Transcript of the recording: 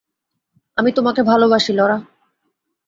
আমি তোমাকে ভালোবাসি, লরা।